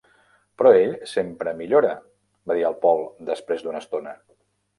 "Però ell sempre millora", va dir el Paul després d'una estona.